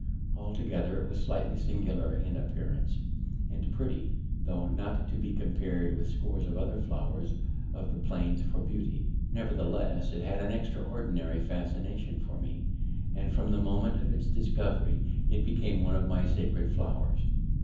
Altogether it was slightly singular in appearance and pretty, though not to be compared with scores of other flowers of the plains for beauty. Nevertheless it had an extraordinary fascination for me, and from the moment of its discovery it became one of my sacred flowers.